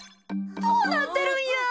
どうなってるんや？